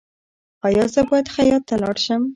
ایا زه باید خیاط ته لاړ شم؟